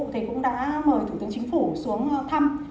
thì cũng đã mời thủ tướng chính phủ xuống thăm